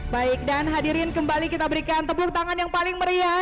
baik dan hadirin kembali kita berikan tepuk tangan yang paling meriah